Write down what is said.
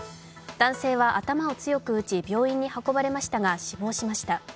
男性は頭を強く打ち病院に運ばれましたが死亡しました。